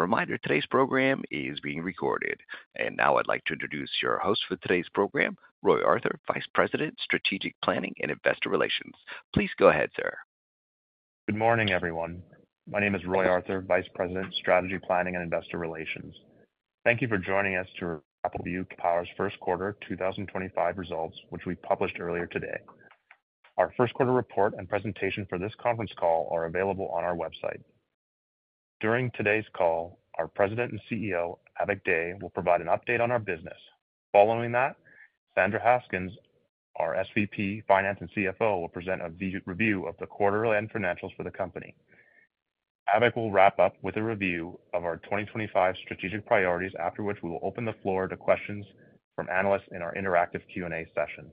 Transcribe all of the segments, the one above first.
Reminder, today's program is being recorded. I would like to introduce your host for today's program, Roy Arthur, Vice President, Strategic Planning, and Investor Relations. Please go ahead, sir. Good morning, everyone. My name is Roy Arthur, Vice President, Strategic Planning and Investor Relations. Thank you for joining us to wrap up Capital Power's first quarter 2025 results, which we published earlier today. Our first quarter report and presentation for this conference call are available on our website. During today's call, our President and CEO, Avik Dey, will provide an update on our business. Following that, Sandra Haskins, our SVP, Finance and CFO, will present a review of the quarterly financials for the company. Avik will wrap up with a review of our 2025 strategic priorities, after which we will open the floor to questions from analysts in our interactive Q&A session.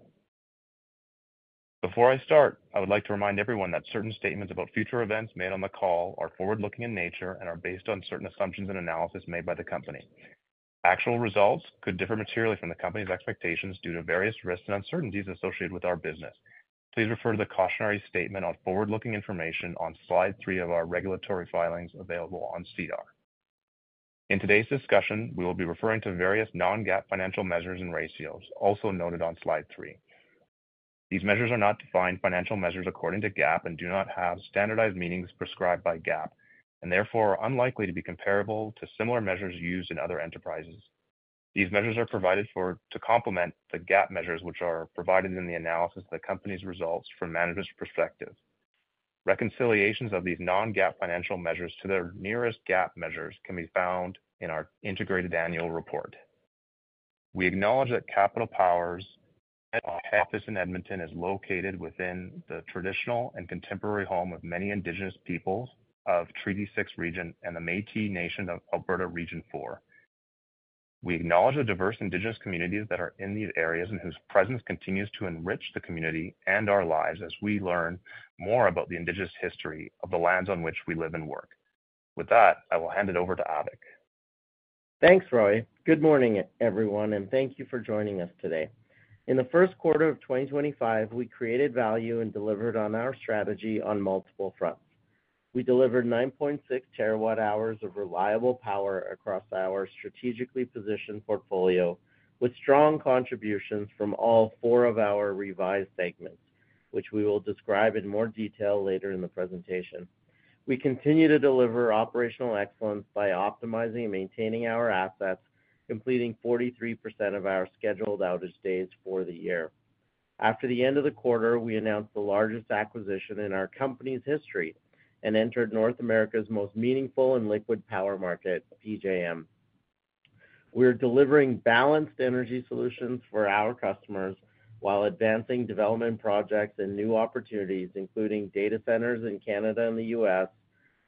Before I start, I would like to remind everyone that certain statements about future events made on the call are forward-looking in nature and are based on certain assumptions and analysis made by the company. Actual results could differ materially from the company's expectations due to various risks and uncertainties associated with our business. Please refer to the cautionary statement on forward-looking information on slide three of our regulatory filings available on CDAR. In today's discussion, we will be referring to various non-GAAP financial measures and ratios, also noted on slide three. These measures are not defined financial measures according to GAAP and do not have standardized meanings prescribed by GAAP, and therefore are unlikely to be comparable to similar measures used in other enterprises. These measures are provided to complement the GAAP measures, which are provided in the analysis of the company's results from management's perspective. Reconciliations of these non-GAAP financial measures to their nearest GAAP measures can be found in our integrated annual report. We acknowledge that Capital Power, Jonathan Lewis, office in Edmonton, is located within the traditional and contemporary home of many Indigenous peoples of Treaty Six region and the Métis Nation of Alberta Region Four. We acknowledge the diverse Indigenous communities that are in these areas and whose presence continues to enrich the community and our lives as we learn more about the Indigenous history of the lands on which we live and work. With that, I will hand it over to Avik. Thanks, Roy. Good morning, everyone, and thank you for joining us today. In the first quarter of 2025, we created value and delivered on our strategy on multiple fronts. We delivered 9.6 TW hours of reliable power across our strategically positioned portfolio, with strong contributions from all four of our revised segments, which we will describe in more detail later in the presentation. We continue to deliver operational excellence by optimizing and maintaining our assets, completing 43% of our scheduled outage days for the year. After the end of the quarter, we announced the largest acquisition in our company's history and entered North America's most meaningful and liquid power market, PJM. We are delivering balanced energy solutions for our customers while advancing development projects and new opportunities, including data centers in Canada and the U.S.,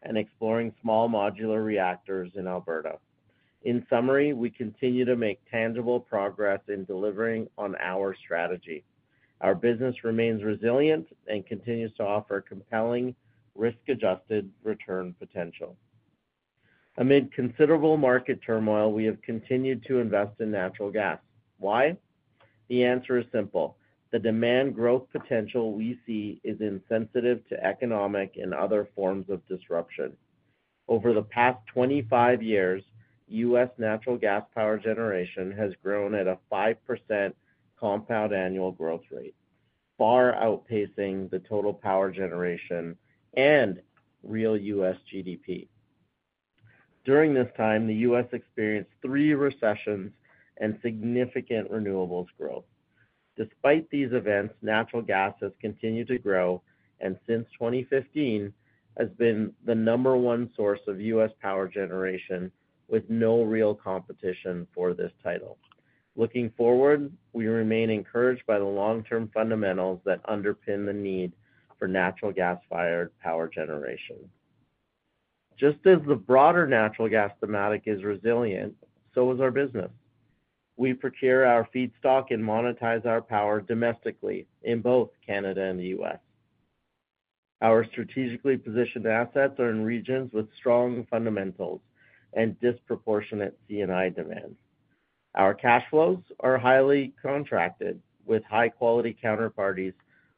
and exploring small modular reactors in Alberta. In summary, we continue to make tangible progress in delivering on our strategy. Our business remains resilient and continues to offer compelling, risk-adjusted return potential. Amid considerable market turmoil, we have continued to invest in natural gas. Why? The answer is simple. The demand growth potential we see is insensitive to economic and other forms of disruption. Over the past 25 years, U.S. natural gas power generation has grown at a 5% compound annual growth rate, far outpacing the total power generation and real U.S. GDP. During this time, the U.S. experienced three recessions and significant renewables growth. Despite these events, natural gas has continued to grow and since 2015 has been the number one source of U.S. power generation, with no real competition for this title. Looking forward, we remain encouraged by the long-term fundamentals that underpin the need for natural gas-fired power generation. Just as the broader natural gas thematic is resilient, so is our business. We procure our feedstock and monetize our power domestically in both Canada and the U.S. Our strategically positioned assets are in regions with strong fundamentals and disproportionate C&I demands. Our cash flows are highly contracted with high-quality counterparties,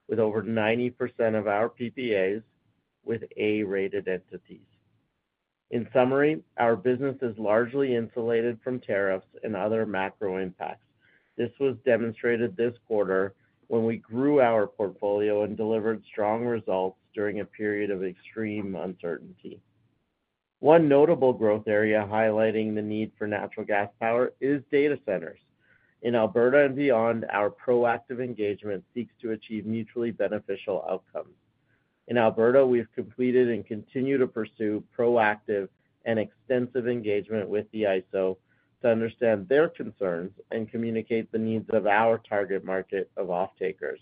with over 90% of our PPAs with A-rated entities. In summary, our business is largely insulated from tariffs and other macro impacts. This was demonstrated this quarter when we grew our portfolio and delivered strong results during a period of extreme uncertainty. One notable growth area highlighting the need for natural gas power is data centers. In Alberta and beyond, our proactive engagement seeks to achieve mutually beneficial outcomes. In Alberta, we have completed and continue to pursue proactive and extensive engagement with the AESO to understand their concerns and communicate the needs of our target market of off-takers.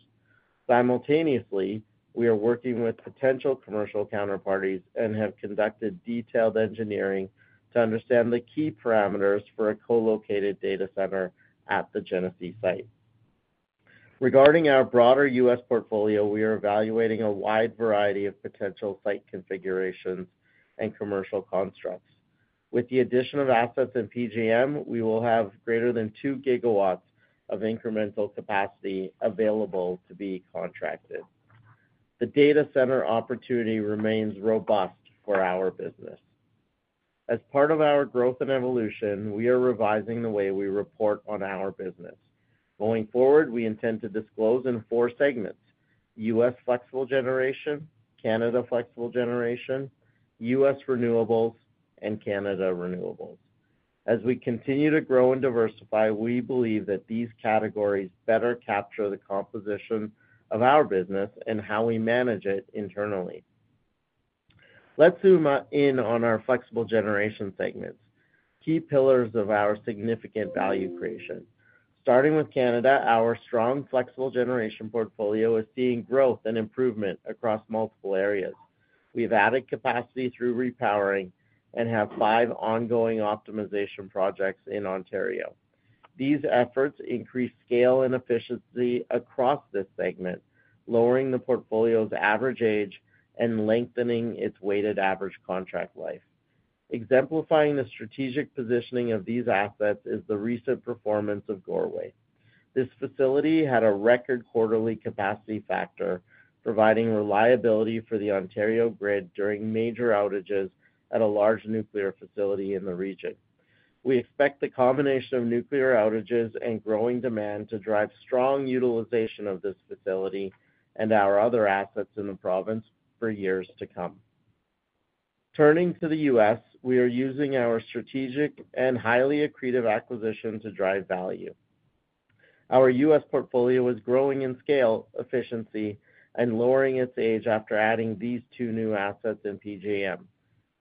Simultaneously, we are working with potential commercial counterparties and have conducted detailed engineering to understand the key parameters for a co-located data center at the Genesee site. Regarding our broader US portfolio, we are evaluating a wide variety of potential site configurations and commercial constructs. With the addition of assets in PJM, we will have greater than 2 GW of incremental capacity available to be contracted. The data center opportunity remains robust for our business. As part of our growth and evolution, we are revising the way we report on our business. Going forward, we intend to disclose in four segments: U.S. flexible generation, Canada flexible generation, U.S. renewables, and Canada renewables. As we continue to grow and diversify, we believe that these categories better capture the composition of our business and how we manage it internally. Let's zoom in on our flexible generation segments, key pillars of our significant value creation. Starting with Canada, our strong flexible generation portfolio is seeing growth and improvement across multiple areas. We have added capacity through repowering and have five ongoing optimization projects in Ontario. These efforts increase scale and efficiency across this segment, lowering the portfolio's average age and lengthening its weighted average contract life. Exemplifying the strategic positioning of these assets is the recent performance of Goreway. This facility had a record quarterly capacity factor, providing reliability for the Ontario grid during major outages at a large nuclear facility in the region. We expect the combination of nuclear outages and growing demand to drive strong utilization of this facility and our other assets in the province for years to come. Turning to the U.S., we are using our strategic and highly accretive acquisition to drive value. Our U.S. portfolio is growing in scale, efficiency, and lowering its age after adding these two new assets in PJM,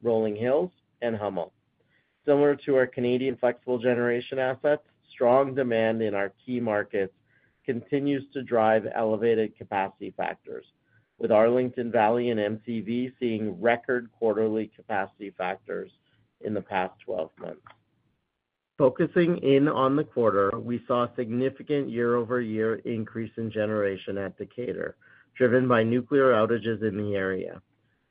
Rolling Hills and Hummel. Similar to our Canadian flexible generation assets, strong demand in our key markets continues to drive elevated capacity factors, with Arlington Valley and MCV seeing record quarterly capacity factors in the past 12 months. Focusing in on the quarter, we saw a significant year-over-year increase in generation at Decatur, driven by nuclear outages in the area.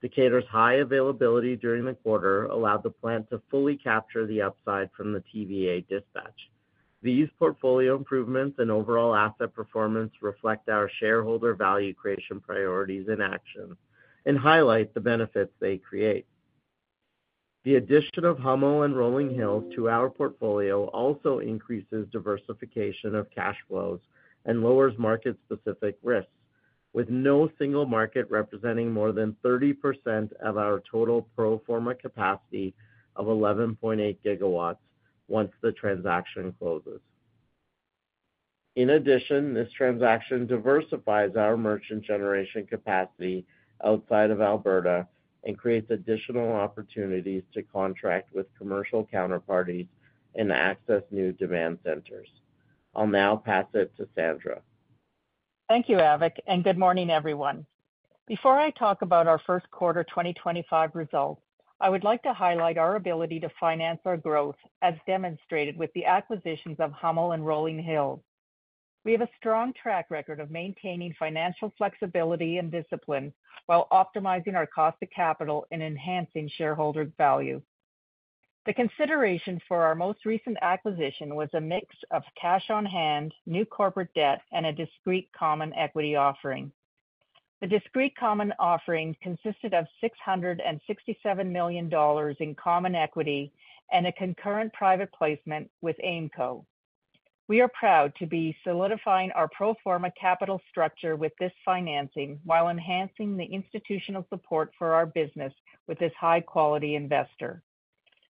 Decatur's high availability during the quarter allowed the plant to fully capture the upside from the TVA dispatch. These portfolio improvements and overall asset performance reflect our shareholder value creation priorities and actions and highlight the benefits they create. The addition of Hummel and Rolling Hills to our portfolio also increases diversification of cash flows and lowers market-specific risks, with no single market representing more than 30% of our total pro forma capacity of 11.8 GW once the transaction closes. In addition, this transaction diversifies our merchant generation capacity outside of Alberta and creates additional opportunities to contract with commercial counterparties and access new demand centers. I'll now pass it to Sandra. Thank you, Avik, and good morning, everyone. Before I talk about our first quarter 2025 results, I would like to highlight our ability to finance our growth, as demonstrated with the acquisitions of Hummel and Rolling Hills. We have a strong track record of maintaining financial flexibility and discipline while optimizing our cost of capital and enhancing shareholder value. The consideration for our most recent acquisition was a mix of cash on hand, new corporate debt, and a discrete common equity offering. The discrete common offering consisted of 667 million dollars in common equity and a concurrent private placement with AIMCO. We are proud to be solidifying our pro forma capital structure with this financing while enhancing the institutional support for our business with this high-quality investor.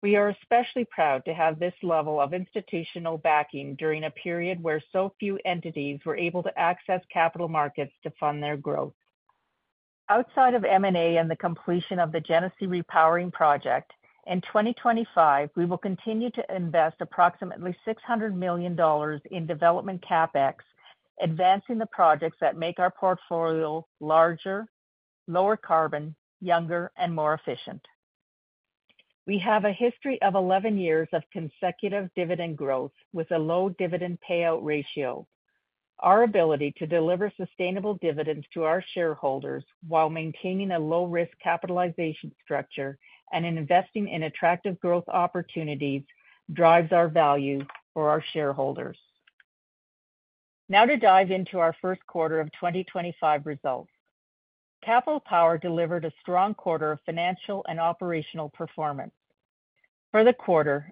We are especially proud to have this level of institutional backing during a period where so few entities were able to access capital markets to fund their growth. Outside of M&A and the completion of the Genesee repowering project, in 2025, we will continue to invest approximately 600 million dollars in development CapEx, advancing the projects that make our portfolio larger, lower carbon, younger, and more efficient. We have a history of 11 years of consecutive dividend growth with a low dividend payout ratio. Our ability to deliver sustainable dividends to our shareholders while maintaining a low-risk capitalization structure and investing in attractive growth opportunities drives our value for our shareholders. Now to dive into our first quarter of 2025 results. Capital Power delivered a strong quarter of financial and operational performance. For the quarter,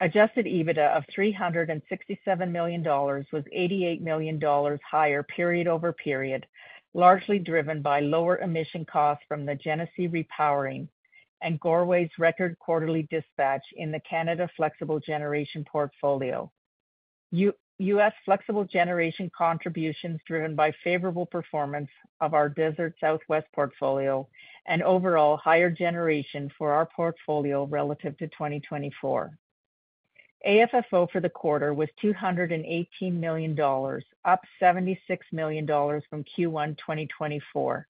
adjusted EBITDA of 367 million dollars was 88 million dollars higher period over period, largely driven by lower emission costs from the Genesee repowering and Goreway's record quarterly dispatch in the Canada flexible generation portfolio. U.S. flexible generation contributions driven by favorable performance of our Desert Southwest portfolio and overall higher generation for our portfolio relative to 2024. AFFO for the quarter was 218 million dollars, up 76 million dollars from Q1 2024,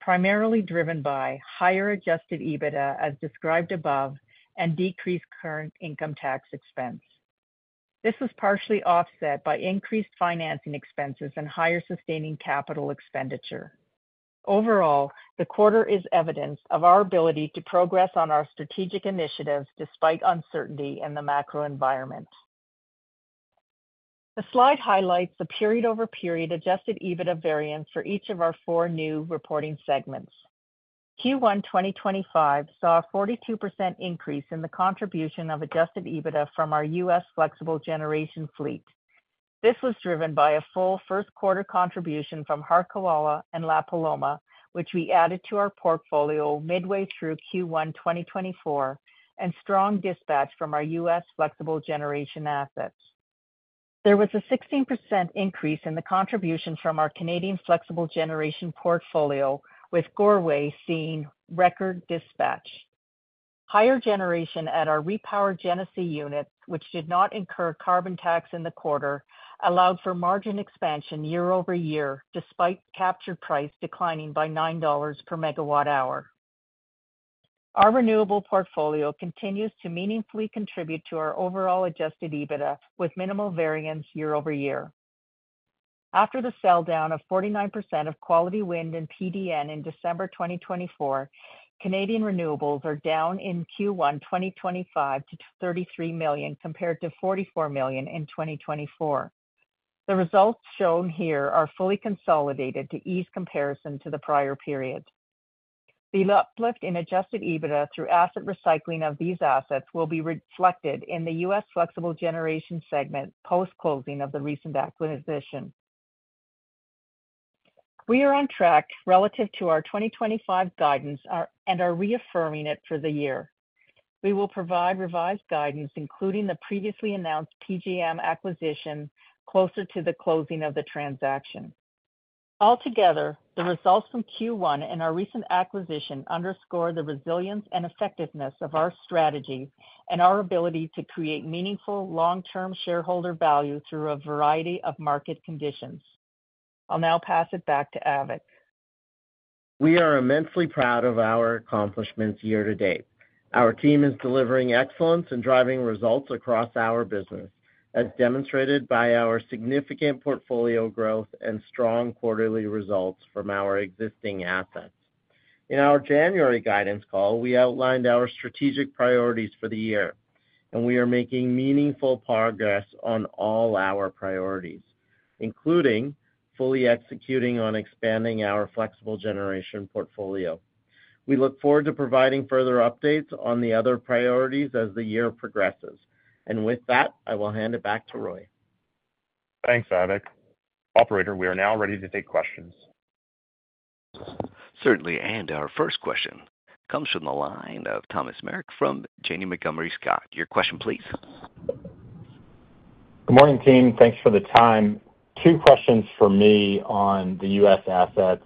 primarily driven by higher adjusted EBITDA, as described above, and decreased current income tax expense. This was partially offset by increased financing expenses and higher sustaining capital expenditure. Overall, the quarter is evidence of our ability to progress on our strategic initiatives despite uncertainty in the macro environment. The slide highlights the period-over-period adjusted EBITDA variance for each of our four new reporting segments. Q1 2025 saw a 42% increase in the contribution of adjusted EBITDA from our U.S. flexible generation fleet. This was driven by a full first quarter contribution from Harquahala and La Paloma, which we added to our portfolio midway through Q1 2024, and strong dispatch from our U.S. flexible generation assets. There was a 16% increase in the contribution from our Canadian flexible generation portfolio, with Goreway seeing record dispatch. Higher generation at our repowered Genesee units, which did not incur carbon tax in the quarter, allowed for margin expansion year-over-year, despite capture price declining by 9 dollars per megawatt hour. Our renewable portfolio continues to meaningfully contribute to our overall adjusted EBITDA, with minimal variance year-over-year. After the sell-down of 49% of quality wind and PDN in December 2024, Canadian renewables are down in Q1 2025 to 33 million compared to 44 million in 2024. The results shown here are fully consolidated to ease comparison to the prior period. The uplift in adjusted EBITDA through asset recycling of these assets will be reflected in the U.S. flexible generation segment post-closing of the recent acquisition. We are on track relative to our 2025 guidance and are reaffirming it for the year. We will provide revised guidance, including the previously announced PJM acquisition closer to the closing of the transaction. Altogether, the results from Q1 and our recent acquisition underscore the resilience and effectiveness of our strategy and our ability to create meaningful long-term shareholder value through a variety of market conditions. I'll now pass it back to Avik. We are immensely proud of our accomplishments year to date. Our team is delivering excellence and driving results across our business, as demonstrated by our significant portfolio growth and strong quarterly results from our existing assets. In our January guidance call, we outlined our strategic priorities for the year, and we are making meaningful progress on all our priorities, including fully executing on expanding our flexible generation portfolio. We look forward to providing further updates on the other priorities as the year progresses. I will hand it back to Roy. Thanks, Avik. Operator, we are now ready to take questions. Certainly. Our first question comes from the line of Thomas Meric from Janney Montgomery Scott. Your question, please. Good morning, team. Thanks for the time. Two questions for me on the U.S. assets.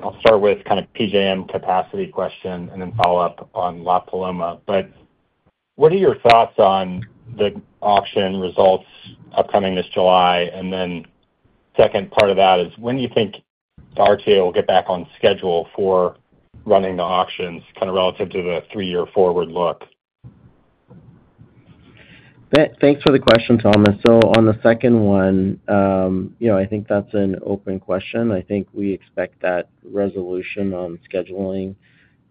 I'll start with kind of PJM capacity question and then follow up on La Paloma. What are your thoughts on the auction results upcoming this July? The second part of that is, when do you think RTA will get back on schedule for running the auctions, kind of relative to the three-year forward look? Thanks for the question, Thomas. On the second one, you know, I think that's an open question. I think we expect that resolution on scheduling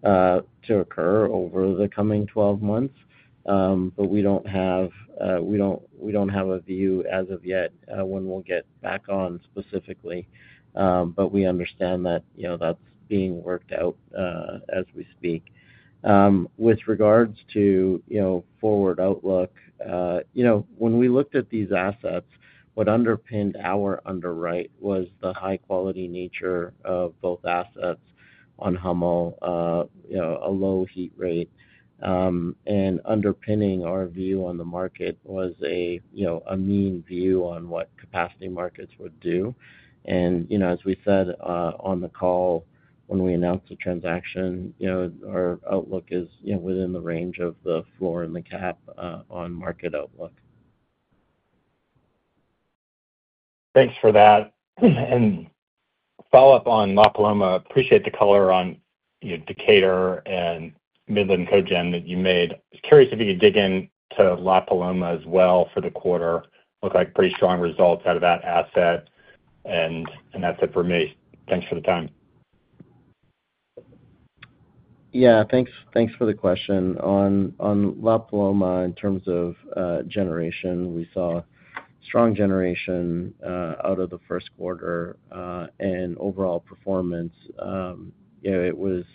to occur over the coming 12 months. We don't have a view as of yet when we'll get back on specifically. We understand that, you know, that's being worked out as we speak. With regards to, you know, forward outlook, you know, when we looked at these assets, what underpinned our underwrite was the high-quality nature of both assets on Hummel, a low heat rate. Underpinning our view on the market was a, you know, a mean view on what capacity markets would do. You know, as we said on the call when we announced the transaction, you know, our outlook is, you know, within the range of the floor and the cap on market outlook. Thanks for that. Follow up on La Paloma. Appreciate the color on, you know, Decatur and Midland Cogen that you made. I was curious if you could dig into La Paloma as well for the quarter. Looked like pretty strong results out of that asset. That's it for me. Thanks for the time. Yeah, thanks for the question. On La Paloma, in terms of generation, we saw strong generation out of the first quarter and overall performance. You know, it was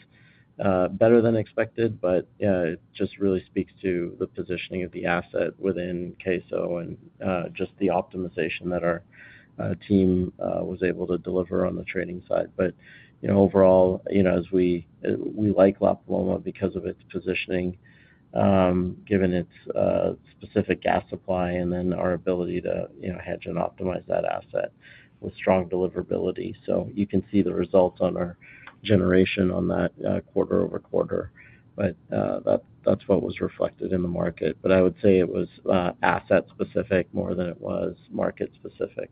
better than expected, but it just really speaks to the positioning of the asset within CAISO and just the optimization that our team was able to deliver on the trading side. You know, overall, you know, as we like La Paloma because of its positioning, given its specific gas supply and then our ability to, you know, hedge and optimize that asset with strong deliverability. You can see the results on our generation on that quarter over quarter. That is what was reflected in the market. I would say it was asset-specific more than it was market-specific.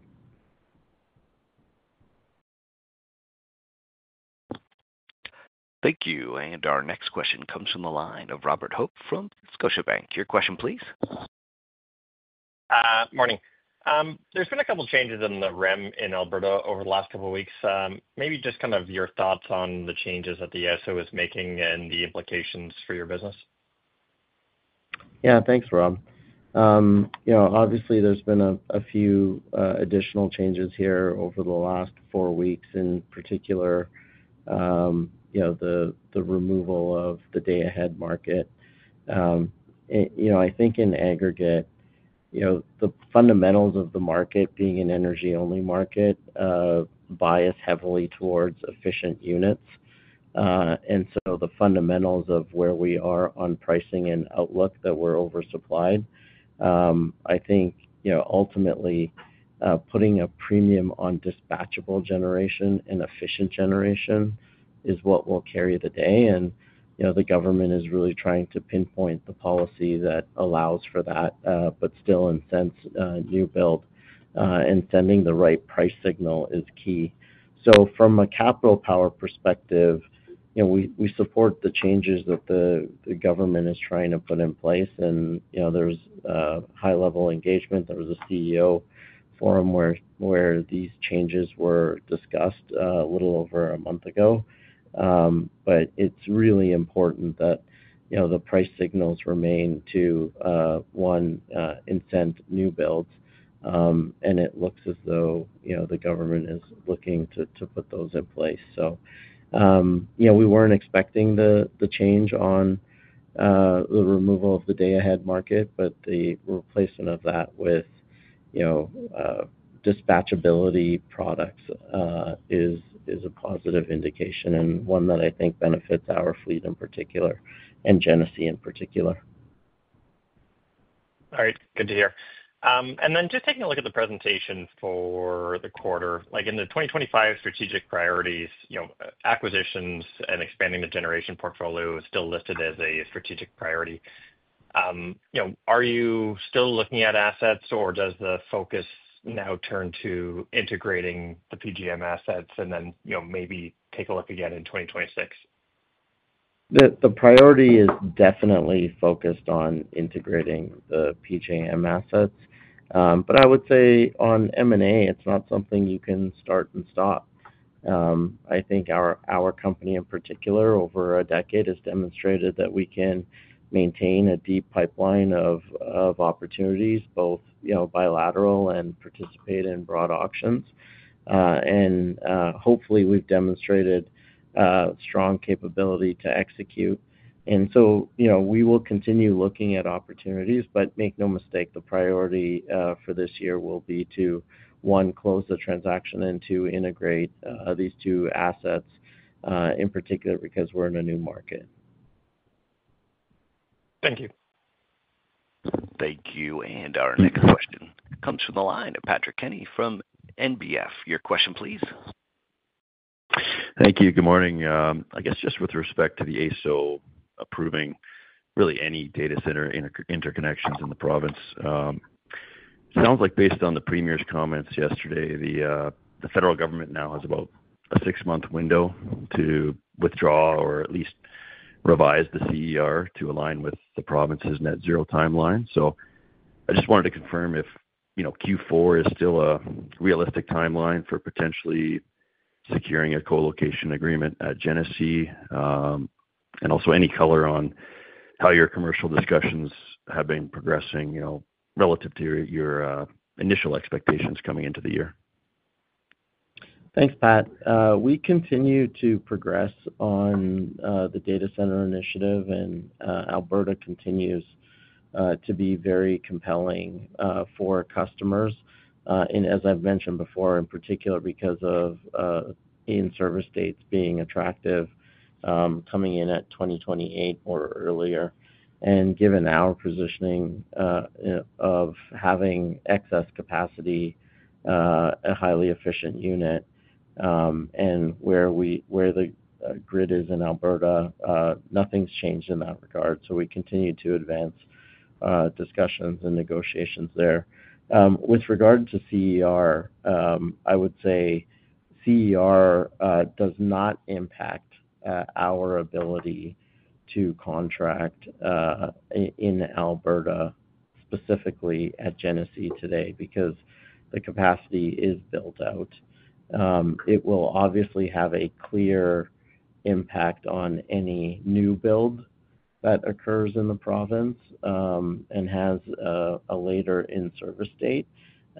Thank you. Our next question comes from the line of Robert Hope from Scotiabank. Your question, please. Morning. There's been a couple of changes in the REM in Alberta over the last couple of weeks. Maybe just kind of your thoughts on the changes that the AESO is making and the implications for your business. Yeah, thanks, Rob. You know, obviously, there's been a few additional changes here over the last four weeks, in particular, you know, the removal of the day-ahead market. You know, I think in aggregate, you know, the fundamentals of the market being an energy-only market bias heavily towards efficient units. The fundamentals of where we are on pricing and outlook that we're oversupplied, I think, you know, ultimately, putting a premium on dispatchable generation and efficient generation is what will carry the day. You know, the government is really trying to pinpoint the policy that allows for that, but still, in a sense, new build and sending the right price signal is key. From a Capital Power perspective, you know, we support the changes that the government is trying to put in place. You know, there's high-level engagement. There was a CEO forum where these changes were discussed a little over a month ago. It is really important that, you know, the price signals remain to, one, incent new builds. It looks as though, you know, the government is looking to put those in place. You know, we were not expecting the change on the removal of the day-ahead market, but the replacement of that with, you know, dispatchability products is a positive indication and one that I think benefits our fleet in particular and Genesee in particular. All right. Good to hear. Just taking a look at the presentation for the quarter, like in the 2025 strategic priorities, you know, acquisitions and expanding the generation portfolio is still listed as a strategic priority. You know, are you still looking at assets, or does the focus now turn to integrating the PJM assets and then, you know, maybe take a look again in 2026? The priority is definitely focused on integrating the PJM assets. I would say on M&A, it's not something you can start and stop. I think our company, in particular, over a decade, has demonstrated that we can maintain a deep pipeline of opportunities, both, you know, bilateral and participate in broad auctions. Hopefully, we've demonstrated strong capability to execute. You know, we will continue looking at opportunities. Make no mistake, the priority for this year will be to, one, close the transaction and to integrate these two assets, in particular, because we're in a new market. Thank you. Thank you. Our next question comes from the line of Patrick Kenny from NBF. Your question, please. Thank you. Good morning. I guess just with respect to the AESO approving really any data center interconnections in the province, it sounds like based on the premier's comments yesterday, the federal government now has about a six-month window to withdraw or at least revise the CER to align with the province's net-zero timeline. I just wanted to confirm if, you know, Q4 is still a realistic timeline for potentially securing a co-location agreement at Genesee and also any color on how your commercial discussions have been progressing, you know, relative to your initial expectations coming into the year. Thanks, Pat. We continue to progress on the data center initiative, and Alberta continues to be very compelling for customers. As I've mentioned before, in particular, because of in-service dates being attractive coming in at 2028 or earlier. Given our positioning of having excess capacity, a highly efficient unit, and where the grid is in Alberta, nothing's changed in that regard. We continue to advance discussions and negotiations there. With regard to CER, I would say CER does not impact our ability to contract in Alberta, specifically at Genesee today, because the capacity is built out. It will obviously have a clear impact on any new build that occurs in the province and has a later in-service date.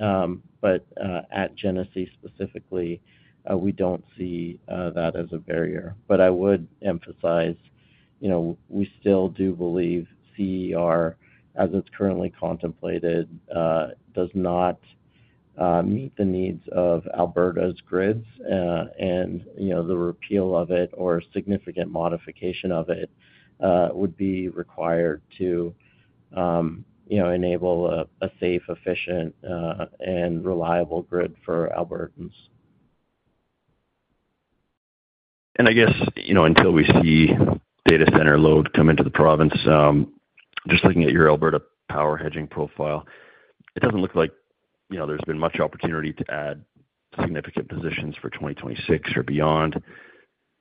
At Genesee specifically, we don't see that as a barrier. I would emphasize, you know, we still do believe CER, as it's currently contemplated, does not meet the needs of Alberta's grids. You know, the repeal of it or significant modification of it would be required to, you know, enable a safe, efficient, and reliable grid for Albertans. I guess, you know, until we see data center load come into the province, just looking at your Alberta power hedging profile, it doesn't look like, you know, there's been much opportunity to add significant positions for 2026 or beyond.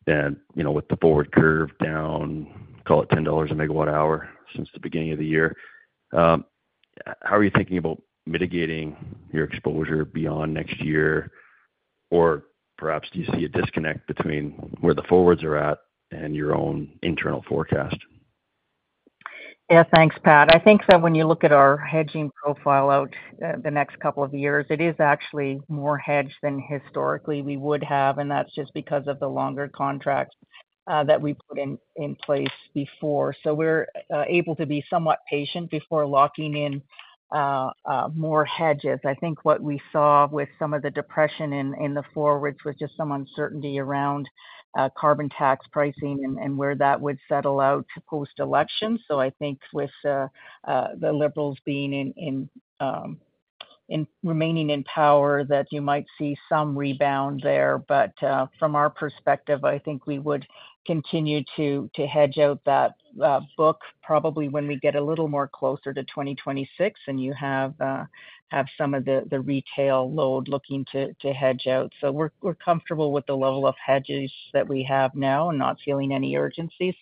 You know, with the forward curve down, call it 10 dollars a megawatt hour since the beginning of the year, how are you thinking about mitigating your exposure beyond next year? Perhaps do you see a disconnect between where the forwards are at and your own internal forecast? Yeah, thanks, Pat. I think that when you look at our hedging profile out the next couple of years, it is actually more hedged than historically we would have. That's just because of the longer contracts that we put in place before. We're able to be somewhat patient before locking in more hedges. I think what we saw with some of the depression in the forwards was just some uncertainty around carbon tax pricing and where that would settle out post-election. I think with the Liberals being in, remaining in power, you might see some rebound there. From our perspective, I think we would continue to hedge out that book probably when we get a little more closer to 2026 and you have some of the retail load looking to hedge out. We're comfortable with the level of hedges that we have now and not feeling any urgency.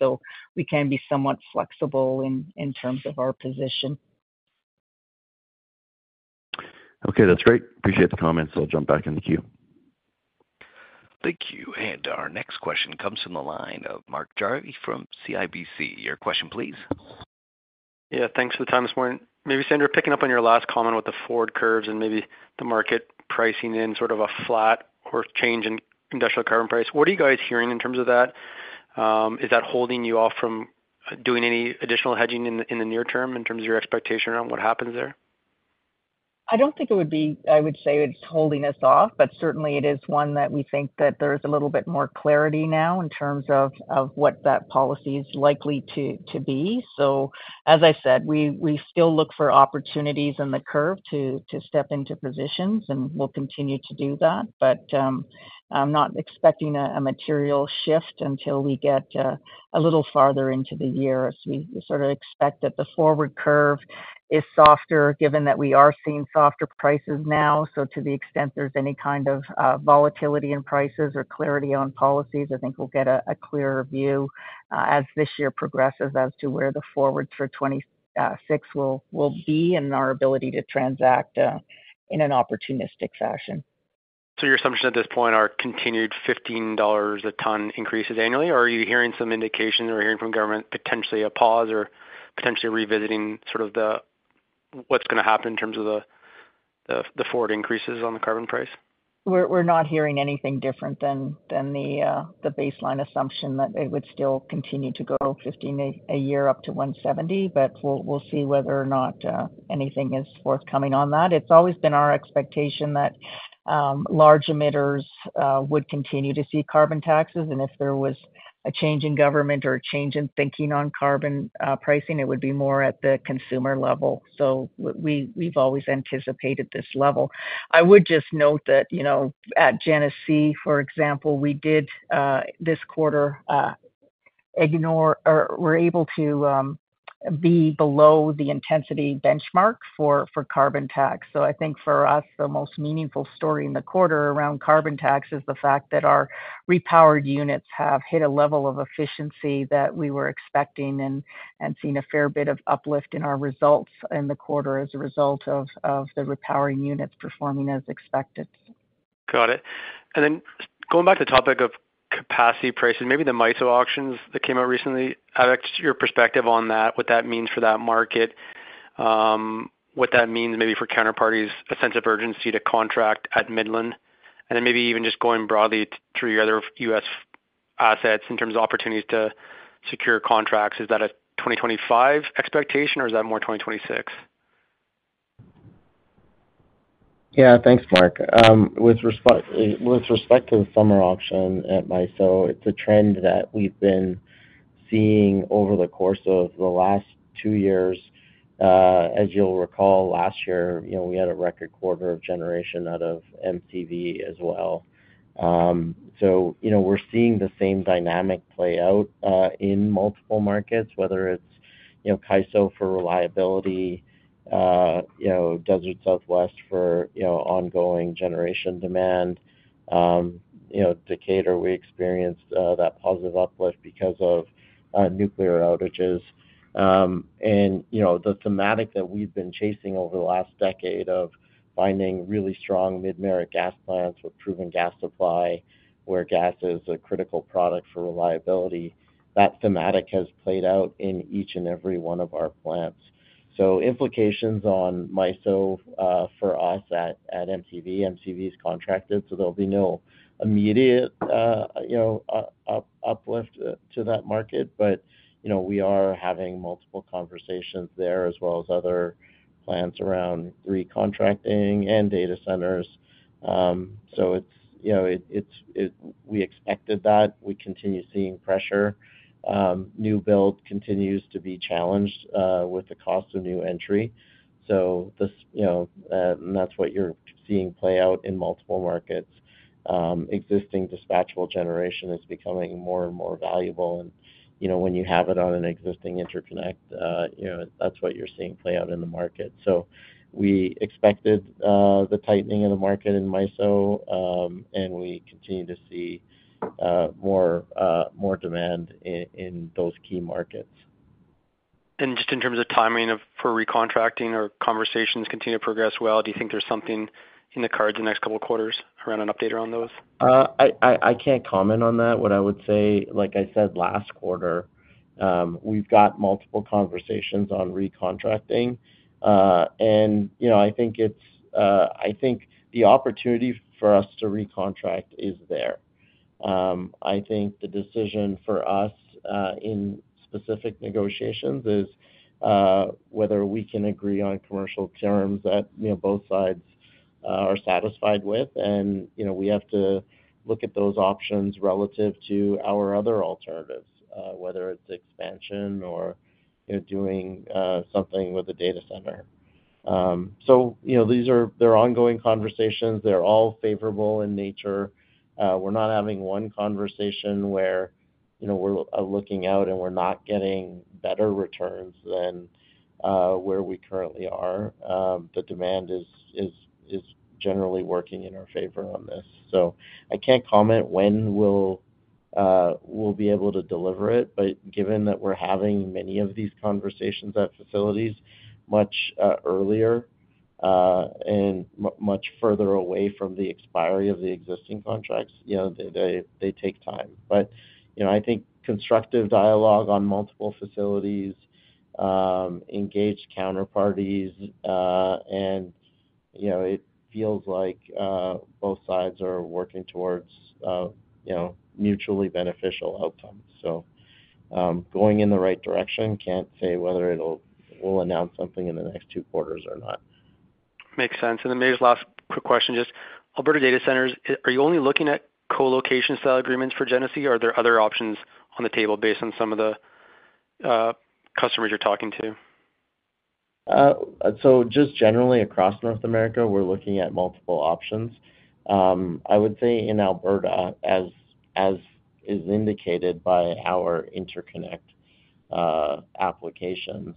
We can be somewhat flexible in terms of our position. Okay, that's great. Appreciate the comments. I'll jump back in the queue. Thank you. Our next question comes from the line of Mark Jarvi from CIBC. Your question, please. Yeah, thanks for the time this morning. Maybe, Sandra, picking up on your last comment with the forward curves and maybe the market pricing in sort of a flat or change in industrial carbon price. What are you guys hearing in terms of that? Is that holding you off from doing any additional hedging in the near term in terms of your expectation around what happens there? I don't think it would be, I would say it's holding us off. Certainly, it is one that we think that there is a little bit more clarity now in terms of what that policy is likely to be. As I said, we still look for opportunities in the curve to step into positions, and we'll continue to do that. I'm not expecting a material shift until we get a little farther into the year. We sort of expect that the forward curve is softer, given that we are seeing softer prices now. To the extent there's any kind of volatility in prices or clarity on policies, I think we'll get a clearer view as this year progresses as to where the forwards for 2026 will be and our ability to transact in an opportunistic fashion. Are your assumptions at this point continued 15 dollars a ton increases annually, or are you hearing some indication or hearing from government potentially a pause or potentially revisiting sort of what's going to happen in terms of the forward increases on the carbon price? We're not hearing anything different than the baseline assumption that it would still continue to go 15 a year up to 170. We'll see whether or not anything is forthcoming on that. It's always been our expectation that large emitters would continue to see carbon taxes. If there was a change in government or a change in thinking on carbon pricing, it would be more at the consumer level. We've always anticipated this level. I would just note that, you know, at Genesee, for example, we did this quarter ignore or were able to be below the intensity benchmark for carbon tax. I think for us, the most meaningful story in the quarter around carbon tax is the fact that our repowered units have hit a level of efficiency that we were expecting and seen a fair bit of uplift in our results in the quarter as a result of the repowering units performing as expected. Got it. Going back to the topic of capacity pricing, maybe the MISO auctions that came out recently, Avik, just your perspective on that, what that means for that market, what that means maybe for counterparties, a sense of urgency to contract at Midland, and then maybe even just going broadly through your other U.S. assets in terms of opportunities to secure contracts. Is that a 2025 expectation, or is that more 2026? Yeah, thanks, Mark. With respect to the summer auction at MISO, it's a trend that we've been seeing over the course of the last two years. As you'll recall, last year, you know, we had a record quarter of generation out of MCV as well. You know, we're seeing the same dynamic play out in multiple markets, whether it's, you know, CAISO for reliability, you know, Desert Southwest for, you know, ongoing generation demand. You know, Decatur, we experienced that positive uplift because of nuclear outages. And, you know, the thematic that we've been chasing over the last decade of finding really strong mid-Merrick gas plants with proven gas supply, where gas is a critical product for reliability, that thematic has played out in each and every one of our plants. Implications on MISO for us at MCV, MCV is contracted, so there will be no immediate, you know, uplift to that market. You know, we are having multiple conversations there as well as other plants around recontacting and data centers. It is, you know, we expected that. We continue seeing pressure. New build continues to be challenged with the cost of new entry. You know, and that is what you are seeing play out in multiple markets. Existing dispatchable generation is becoming more and more valuable. You know, when you have it on an existing interconnect, you know, that is what you are seeing play out in the market. We expected the tightening of the market in MISO, and we continue to see more demand in those key markets. Just in terms of timing for recontacting or conversations continue to progress well, do you think there's something in the cards in the next couple of quarters around an update around those? I can't comment on that. What I would say, like I said last quarter, we've got multiple conversations on recontacting. You know, I think the opportunity for us to recontact is there. I think the decision for us in specific negotiations is whether we can agree on commercial terms that, you know, both sides are satisfied with. You know, we have to look at those options relative to our other alternatives, whether it's expansion or, you know, doing something with a data center. These are ongoing conversations. They're all favorable in nature. We're not having one conversation where, you know, we're looking out and we're not getting better returns than where we currently are. The demand is generally working in our favor on this. I can't comment when we'll be able to deliver it. Given that we're having many of these conversations at facilities much earlier and much further away from the expiry of the existing contracts, you know, they take time. You know, I think constructive dialogue on multiple facilities, engaged counterparties, and, you know, it feels like both sides are working towards, you know, mutually beneficial outcomes. Going in the right direction, can't say whether we'll announce something in the next two quarters or not. Makes sense. Maybe just last quick question, just Alberta data centers, are you only looking at co-location style agreements for Genesee or are there other options on the table based on some of the customers you're talking to? Just generally across North America, we're looking at multiple options. I would say in Alberta, as is indicated by our interconnect applications,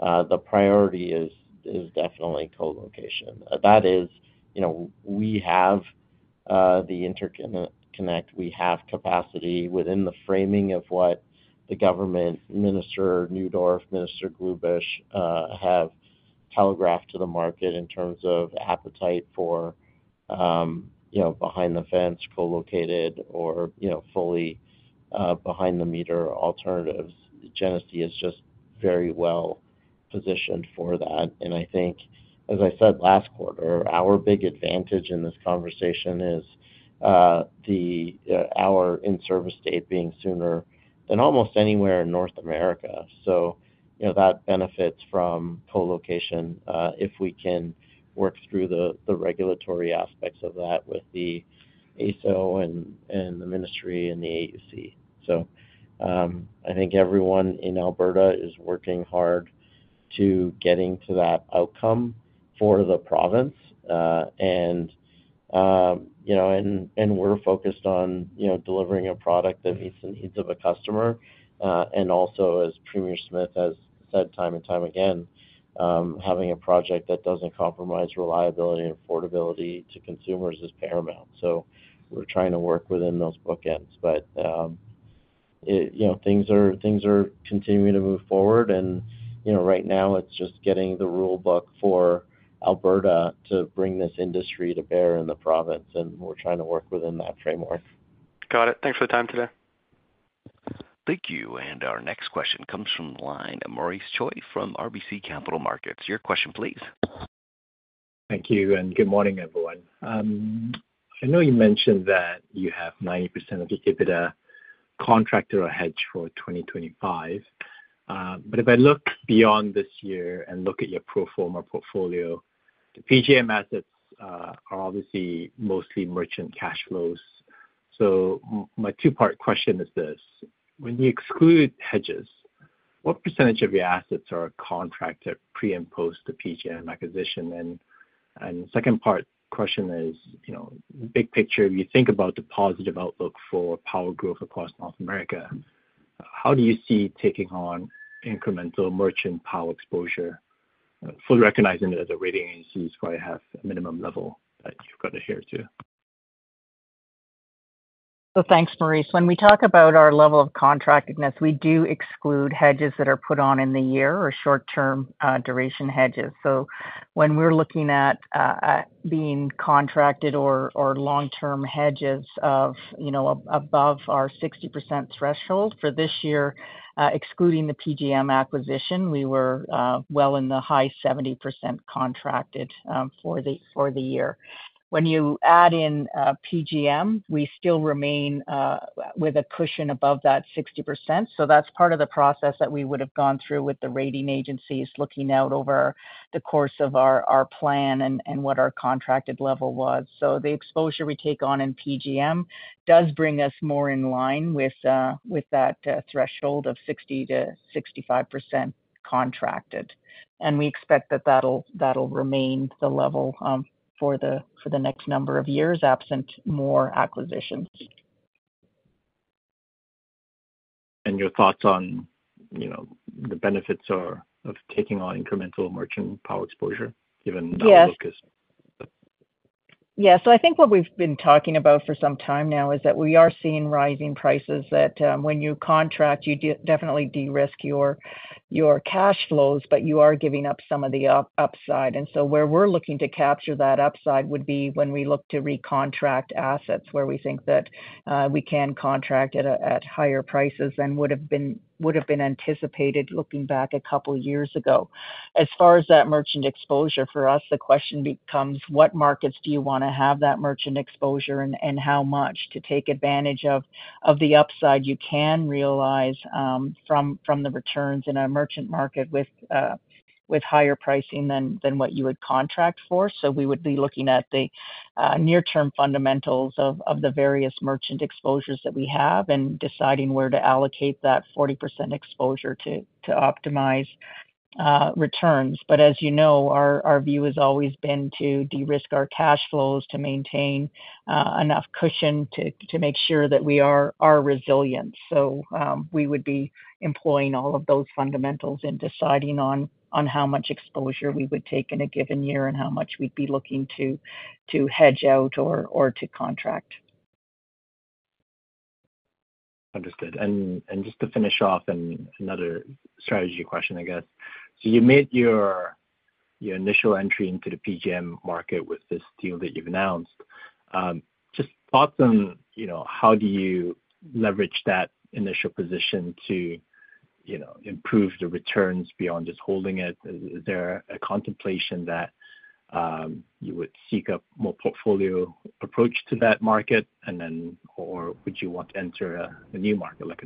the priority is definitely co-location. That is, you know, we have the interconnect, we have capacity within the framing of what the government, Minister Neudorf, Minister Glubish have telegraphed to the market in terms of appetite for, you know, behind the fence, co-located, or, you know, fully behind the meter alternatives. Genesee is just very well positioned for that. I think, as I said last quarter, our big advantage in this conversation is our in-service date being sooner than almost anywhere in North America. You know, that benefits from co-location if we can work through the regulatory aspects of that with the AESO and the ministry and the AUC. I think everyone in Alberta is working hard to get into that outcome for the province. You know, we're focused on, you know, delivering a product that meets the needs of a customer. Also, as Premier Smith has said time and time again, having a project that does not compromise reliability and affordability to consumers is paramount. We're trying to work within those bookends. You know, things are continuing to move forward. You know, right now it is just getting the rule book for Alberta to bring this industry to bear in the province. We're trying to work within that framework. Got it. Thanks for the time today. Thank you. Our next question comes from the line of Maurice Choy from RBC Capital Markets. Your question, please. Thank you. Good morning, everyone. I know you mentioned that you have 90% of your EBITDA contracted or hedged for 2025. If I look beyond this year and look at your pro forma portfolio, the PJM assets are obviously mostly merchant cash flows. My two-part question is this: when you exclude hedges, what percentage of your assets are contracted pre and post-PJM acquisition? The second-part question is, you know, big picture, if you think about the positive outlook for power growth across North America, how do you see taking on incremental merchant power exposure, fully recognizing that the rating agencies probably have a minimum level that you've got to adhere to? Thanks, Maurice. When we talk about our level of contractedness, we do exclude hedges that are put on in the year or short-term duration hedges. When we're looking at being contracted or long-term hedges of, you know, above our 60% threshold for this year, excluding the PJM acquisition, we were well in the high 70% contracted for the year. When you add in PJM, we still remain with a cushion above that 60%. That's part of the process that we would have gone through with the rating agencies looking out over the course of our plan and what our contracted level was. The exposure we take on in PJM does bring us more in line with that threshold of 60%-65% contracted. We expect that that'll remain the level for the next number of years absent more acquisitions. Your thoughts on, you know, the benefits of taking on incremental merchant power exposure, given the focus? Yes. Yeah. I think what we've been talking about for some time now is that we are seeing rising prices that when you contract, you definitely de-risk your cash flows, but you are giving up some of the upside. Where we're looking to capture that upside would be when we look to recontact assets where we think that we can contract at higher prices than would have been anticipated looking back a couple of years ago. As far as that merchant exposure, for us, the question becomes, what markets do you want to have that merchant exposure and how much to take advantage of the upside you can realize from the returns in a merchant market with higher pricing than what you would contract for? We would be looking at the near-term fundamentals of the various merchant exposures that we have and deciding where to allocate that 40% exposure to optimize returns. As you know, our view has always been to de-risk our cash flows, to maintain enough cushion to make sure that we are resilient. We would be employing all of those fundamentals in deciding on how much exposure we would take in a given year and how much we'd be looking to hedge out or to contract. Understood. Just to finish off, another strategy question, I guess. You made your initial entry into the PJM market with this deal that you've announced. Just thoughts on, you know, how do you leverage that initial position to, you know, improve the returns beyond just holding it? Is there a contemplation that you would seek a more portfolio approach to that market, or would you want to enter a new market like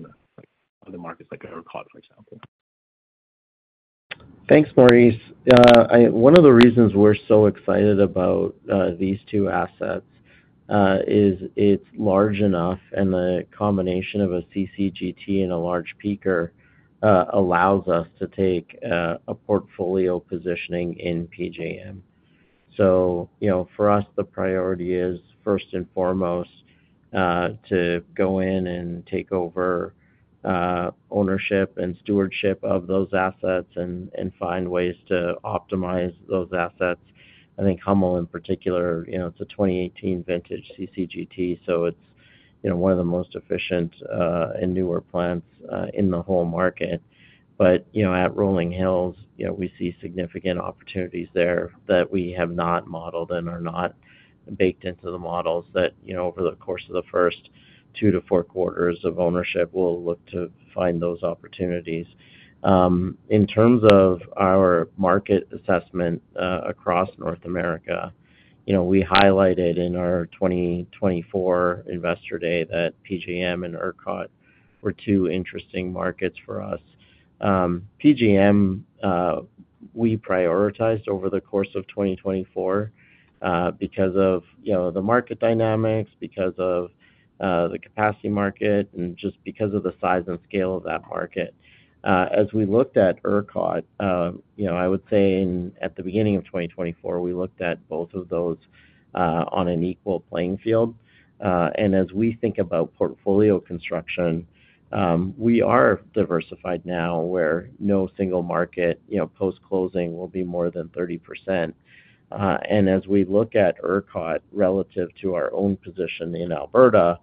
other markets like ERCOT, for example? Thanks, Maurice. One of the reasons we're so excited about these two assets is it's large enough, and the combination of a CCGT and a large peaker allows us to take a portfolio positioning in PJM. You know, for us, the priority is first and foremost to go in and take over ownership and stewardship of those assets and find ways to optimize those assets. I think Hummel, in particular, you know, it's a 2018 vintage CCGT, so it's, you know, one of the most efficient and newer plants in the whole market. You know, at Rolling Hills, you know, we see significant opportunities there that we have not modeled and are not baked into the models that, you know, over the course of the first two to four quarters of ownership, we'll look to find those opportunities. In terms of our market assessment across North America, you know, we highlighted in our 2024 Investor Day that PJM and ERCOT were two interesting markets for us. PJM, we prioritized over the course of 2024 because of, you know, the market dynamics, because of the capacity market, and just because of the size and scale of that market. As we looked at ERCOT, you know, I would say at the beginning of 2024, we looked at both of those on an equal playing field. As we think about portfolio construction, we are diversified now where no single market, you know, post-closing will be more than 30%. As we look at ERCOT relative to our own position in Alberta,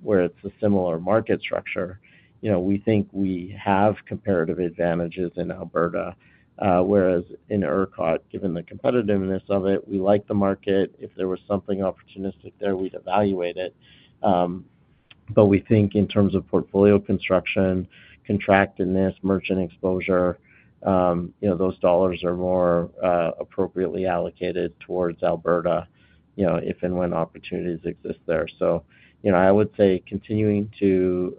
where it is a similar market structure, you know, we think we have comparative advantages in Alberta, whereas in ERCOT, given the competitiveness of it, we like the market. If there was something opportunistic there, we would evaluate it. We think in terms of portfolio construction, contractedness, merchant exposure, you know, those dollars are more appropriately allocated towards Alberta, you know, if and when opportunities exist there. You know, I would say continuing to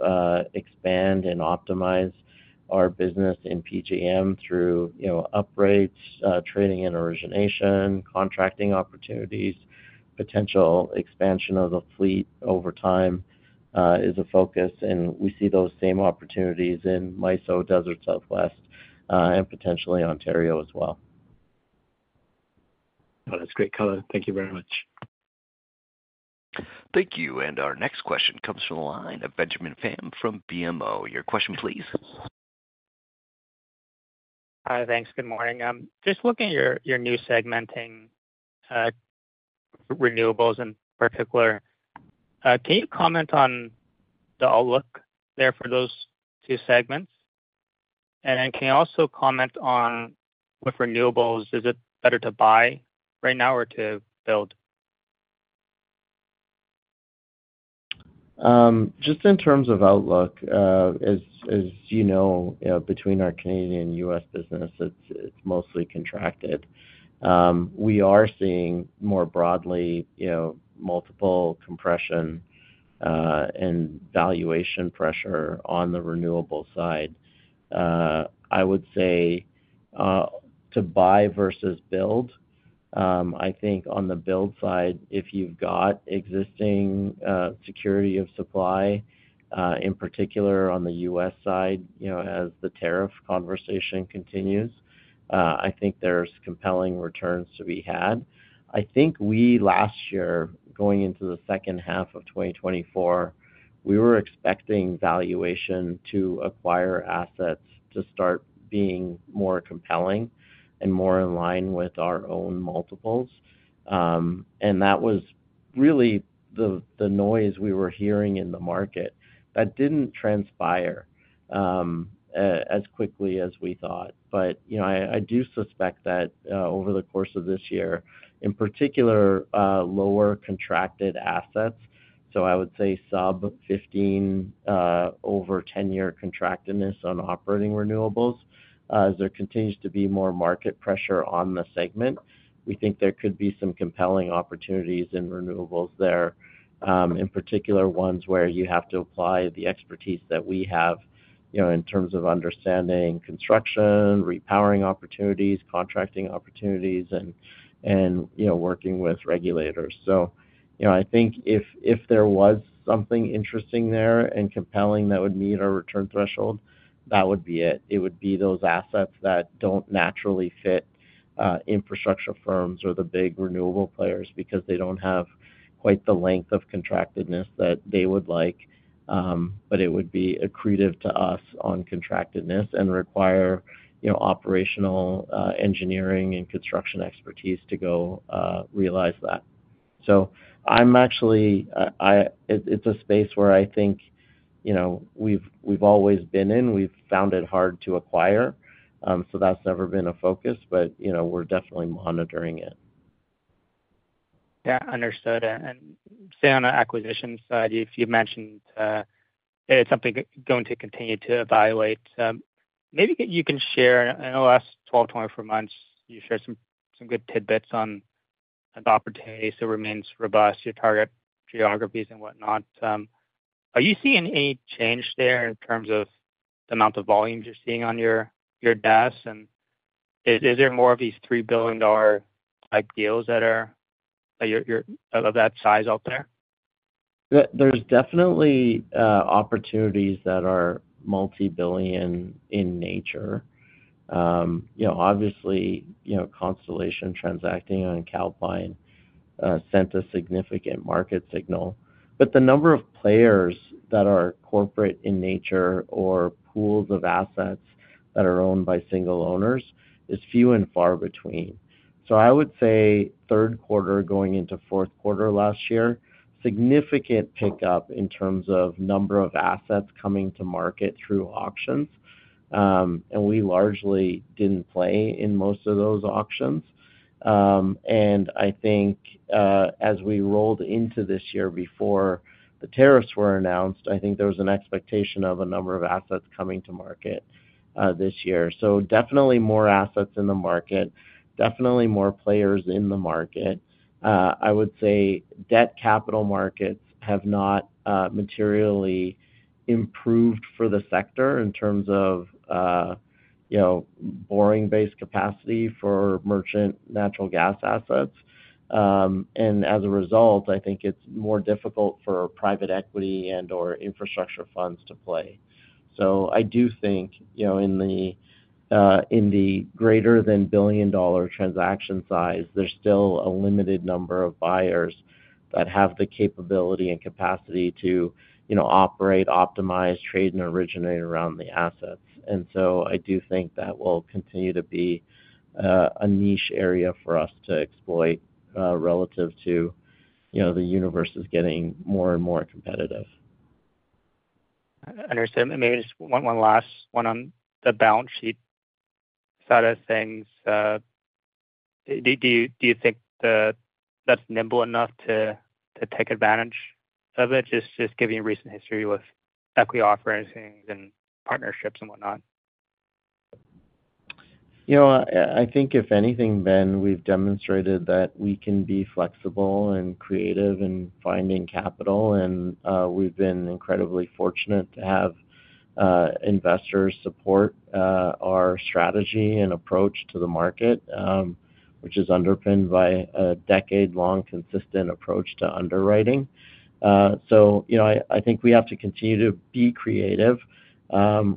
expand and optimize our business in PJM through, you know, upgrades, trading, interconnection, contracting opportunities, potential expansion of the fleet over time is a focus. We see those same opportunities in MISO, Desert Southwest, and potentially Ontario as well. That's great, color. Thank you very much. Thank you. Our next question comes from the line of Benjamin Pham from BMO. Your question, please. Hi, thanks. Good morning. Just looking at your new segmenting renewables in particular, can you comment on the outlook there for those two segments? Can you also comment on with renewables, is it better to buy right now or to build? Just in terms of outlook, as you know, between our Canadian and U.S. business, it's mostly contracted. We are seeing more broadly, you know, multiple compression and valuation pressure on the renewable side. I would say to buy versus build, I think on the build side, if you've got existing security of supply, in particular on the U.S. side, you know, as the tariff conversation continues, I think there's compelling returns to be had. I think we last year, going into the second half of 2024, we were expecting valuation to acquire assets to start being more compelling and more in line with our own multiples. And that was really the noise we were hearing in the market. That didn't transpire as quickly as we thought. I do suspect that over the course of this year, in particular, lower contracted assets, so I would say sub-15 over 10-year contractedness on operating renewables, as there continues to be more market pressure on the segment, we think there could be some compelling opportunities in renewables there, in particular ones where you have to apply the expertise that we have, you know, in terms of understanding construction, repowering opportunities, contracting opportunities, and, you know, working with regulators. I think if there was something interesting there and compelling that would meet our return threshold, that would be it. It would be those assets that do not naturally fit infrastructure firms or the big renewable players because they do not have quite the length of contractedness that they would like. It would be accretive to us on contractedness and require, you know, operational engineering and construction expertise to go realize that. I'm actually, it's a space where I think, you know, we've always been in. We've found it hard to acquire. That's never been a focus. You know, we're definitely monitoring it. Yeah, understood. Staying on the acquisition side, you've mentioned it's something going to continue to evaluate. Maybe you can share in the last 12-24 months, you shared some good tidbits on the opportunities that remains robust, your target geographies and whatnot. Are you seeing any change there in terms of the amount of volumes you're seeing on your desk? Is there more of these 3 billion dollar type deals that are of that size out there? There's definitely opportunities that are multi-billion in nature. You know, obviously, you know, Constellation transacting and Calpine sent a significant market signal. The number of players that are corporate in nature or pools of assets that are owned by single owners is few and far between. I would say third quarter going into fourth quarter last year, significant pickup in terms of number of assets coming to market through auctions. We largely did not play in most of those auctions. I think as we rolled into this year before the tariffs were announced, I think there was an expectation of a number of assets coming to market this year. Definitely more assets in the market, definitely more players in the market. I would say debt capital markets have not materially improved for the sector in terms of, you know, borrowing-based capacity for merchant natural gas assets. As a result, I think it's more difficult for private equity and/or infrastructure funds to play. I do think, you know, in the greater than 1 billion dollar transaction size, there's still a limited number of buyers that have the capability and capacity to, you know, operate, optimize, trade and originate around the assets. I do think that will continue to be a niche area for us to exploit relative to, you know, the universe is getting more and more competitive. Understood. Maybe just one last one on the balance sheet side of things. Do you think that's nimble enough to take advantage of it, just giving you recent history with equity offerings and partnerships and whatnot? You know, I think if anything, Ben, we've demonstrated that we can be flexible and creative in finding capital. We've been incredibly fortunate to have investors support our strategy and approach to the market, which is underpinned by a decade-long consistent approach to underwriting. You know, I think we have to continue to be creative.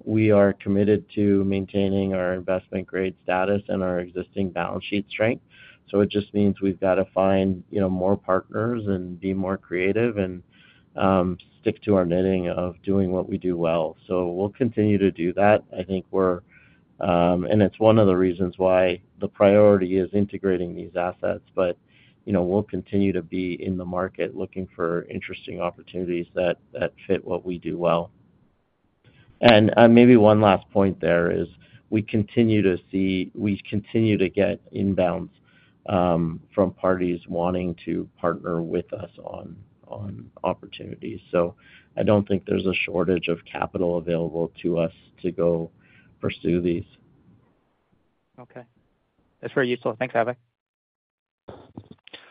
We are committed to maintaining our investment-grade status and our existing balance sheet strength. It just means we've got to find, you know, more partners and be more creative and stick to our knitting of doing what we do well. We'll continue to do that. I think we're, and it's one of the reasons why the priority is integrating these assets. You know, we'll continue to be in the market looking for interesting opportunities that fit what we do well. One last point there is we continue to see, we continue to get inbounds from parties wanting to partner with us on opportunities. I do not think there is a shortage of capital available to us to go pursue these. Okay. That's very useful. Thanks, Avik.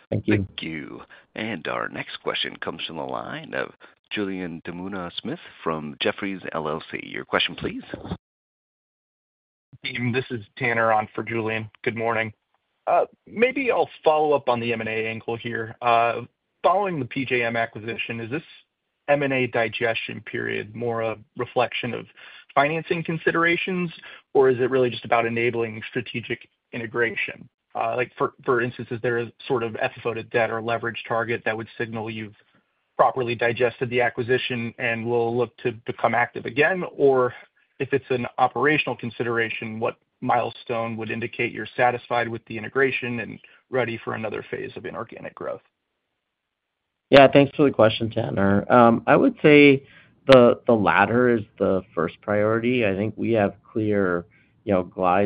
Thank you. Thank you. Our next question comes from the line of Julien Dumoulin-Smith from Jefferies LLC. Your question, please. Hey, this is Tanner on for Julian. Good morning. Maybe I'll follow up on the M&A angle here. Following the PJM acquisition, is this M&A digestion period more a reflection of financing considerations, or is it really just about enabling strategic integration? Like, for instance, is there a sort of episodic debt or leverage target that would signal you've properly digested the acquisition and will look to become active again? Or if it's an operational consideration, what milestone would indicate you're satisfied with the integration and ready for another phase of inorganic growth? Yeah, thanks for the question, Tanner. I would say the latter is the first priority. I think we have clear, you know, guidelines